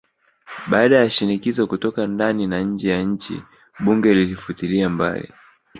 Baada ya shinikizo kutoka ndani na nje ya nchi bunge lilifutilia mbali